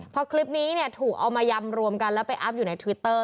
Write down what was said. พอคลิปนี้ถูกเอามายำรวมกันแล้วไปอัพอยู่ในทวิตเตอร์